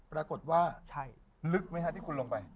ปรากฏว่าลึกไหมฮะที่คุณลงไป